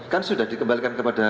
kan sudah dikembalikan kepada